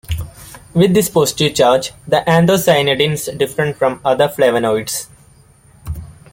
With this positive charge, the anthocyanidins differ from other flavonoids.